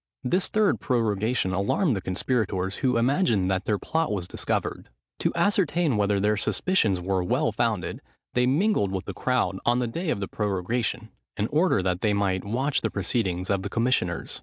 This third prorogation alarmed the conspirators, who imagined that their plot was discovered. To ascertain whether their suspicions were well founded, they mingled with the crowd on the day of prorogation, in order that they might watch the proceedings of the commissioners.